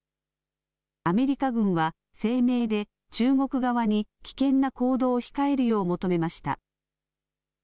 アメリカ軍は声明で中国側に危険な行動を控えるよう求めました。